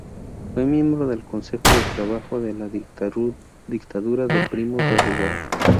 Fue miembro del Consejo de Trabajo de la dictadura de Primo de Rivera.